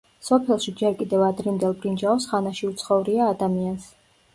სოფელში ჯერ კიდევ ადრინდელ ბრინჯაოს ხანაში უცხოვრია ადამიანს.